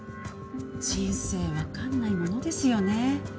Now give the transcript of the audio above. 人生わからないものですよね。